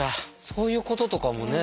そういうこととかもね。